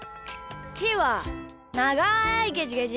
ひーはながいゲジゲジ。